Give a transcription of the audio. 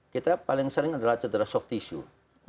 kita paling sering adalah cedera soft tisu